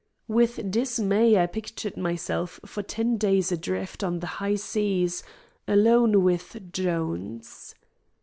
With dismay I pictured myself for ten days adrift on the high seas alone with Jones.